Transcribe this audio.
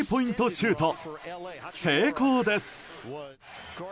シュート成功です。